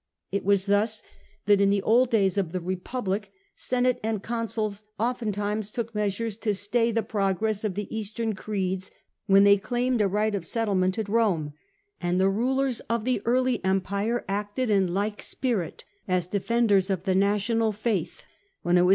It was thus that in the old days of the Republic senate and consuls oftentimes took measures to stay the pro for the gress of the eastern creeds when they claimed Roman 3^ right of Settlement at Rome ; and the rulers government »^ tolerated all of the early empire acted in like spirit as not^'^^ defenders of the national faith when it aggressive.